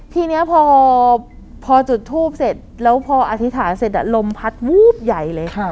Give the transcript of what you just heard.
ทีนี้พอจุดธูปเสร็จแล้วพออธิษฐานเสร็จแล้วลมพัดย่ายเลย